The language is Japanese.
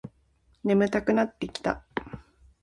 眠たくなってきた